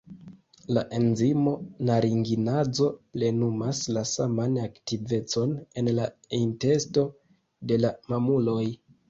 La enzimo "naringinazo" plenumas la saman aktivecon en la intesto de la mamuloj.